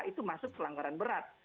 itu masuk pelanggaran berat